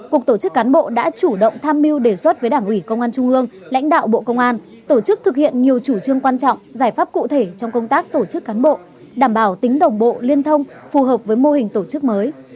cục tổ chức cán bộ đã chủ động tham mưu đề xuất với đảng ủy công an trung ương lãnh đạo bộ công an tổ chức thực hiện nhiều chủ trương quan trọng giải pháp cụ thể trong công tác tổ chức cán bộ đảm bảo tính đồng bộ liên thông phù hợp với mô hình tổ chức mới